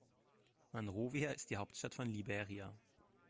Monrovia ist die Hauptstadt von Liberia.